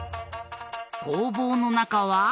工房の中は？